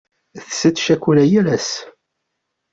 Tettet ccakula yal ass.